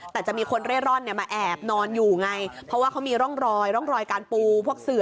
แต่จะมีคนเร่ร่อนเนี่ยมาแอบนอนอยู่ไงเพราะว่าเขามีร่องรอยร่องรอยการปูพวกเสือ